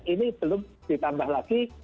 ini belum ditambah lagi